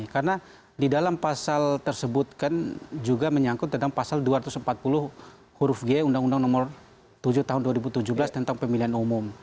karena di dalam pasal tersebut kan juga menyangkut tentang pasal dua ratus empat puluh huruf g undang undang nomor tujuh tahun dua ribu tujuh belas tentang pemilihan umum